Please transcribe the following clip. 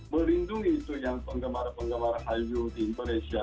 merindungi itu yang penggemar penggemar hal biu di indonesia